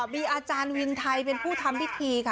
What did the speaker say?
มีอาจารย์วินไทยเป็นผู้ทำพิธีค่ะ